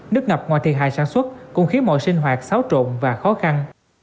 nước ngập ngoài thiệt hại sản xuất cũng khiến mọi sinh hoạt xáo trộn và khó khăn